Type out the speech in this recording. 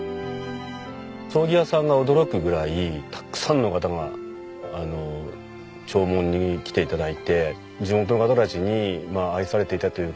葬儀屋さんが驚くぐらいたくさんの方が弔問に来て頂いて地元の方たちに愛されていたというか。